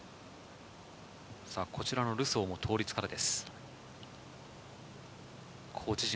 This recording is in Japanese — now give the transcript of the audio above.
こちらのルソーも倒立からです。